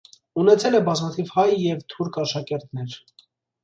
Ունեցել է բազմաթիվ հայ և թուրք աշակերտներ։